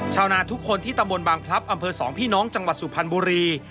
ชาวนาทุกคนที่ตำบลบางพลับอำเภอสองพี่น้องจังหวัดสุพรรณบุรี